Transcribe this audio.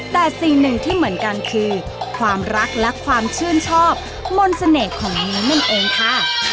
แต่สิ่งหนึ่งที่เหมือนกันคือความรักและความชื่นชอบมนต์เสน่ห์ของเนื้อนั่นเองค่ะ